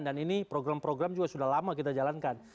dan ini program program juga sudah lama kita jalankan